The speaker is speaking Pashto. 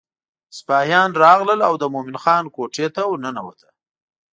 سپاهیان راغلل او د مومن خان کوټې ته ورننوته.